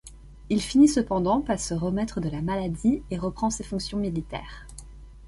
Il finit cependant pas se remettre de la maladie et reprend ses fonctions militaires.